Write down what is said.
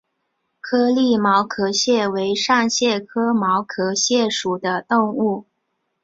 颗粒毛壳蟹为扇蟹科毛壳蟹属的动物。